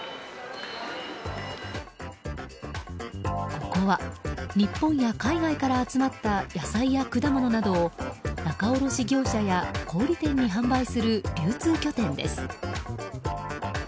ここは日本や海外から集まった野菜や果物などを仲卸業者や小売店に販売する流通拠点です。